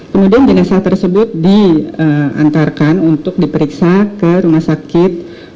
kemudian jenazah tersebut diantarkan untuk diperiksa ke rumah sakit